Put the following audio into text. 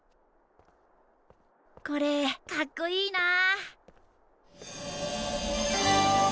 これかっこいいなあ。